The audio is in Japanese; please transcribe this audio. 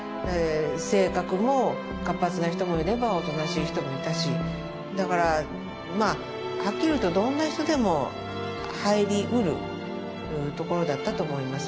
性格も活発な人もいればおとなしい人もいたしだからまぁはっきり言うとどんな人でも入り得るところだったと思います。